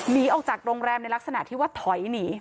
หนีออกจากโรงแรมในลักษณะที่ว่าถอยหนี